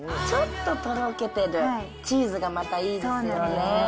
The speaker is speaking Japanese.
ちょっととろけてるチーズがまたいいですよね。